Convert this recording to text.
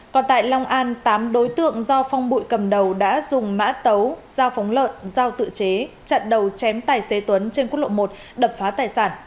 còn tại long an tám đối tượng do phong bụi cầm đầu đã dùng mã tấu dao phóng lợn dao tự chế chặn đầu chém tài xế tuấn trên quốc lộ một đập phá tài sản